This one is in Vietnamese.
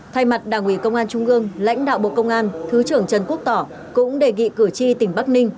thay mặt đảng ủy công an trung ương lãnh đạo bộ công an thứ trưởng trần quốc tỏ cũng đề nghị cử tri tỉnh bắc ninh